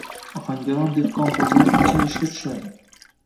Ohangaron dehqon bozori” qachon ishga tushadi.